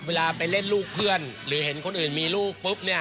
เวลาไปเล่นลูกเพื่อนหรือเห็นคนอื่นมีลูกปุ๊บเนี่ย